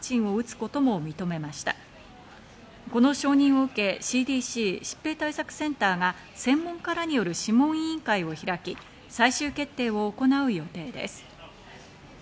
この承認を受け、ＣＤＣ＝疾病対策センターが専門家らによる諮問委員会を開き、最終決定を行う予定です。